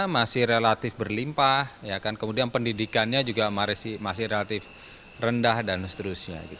masih relatif berlimpah kemudian pendidikannya juga masih relatif rendah dan seterusnya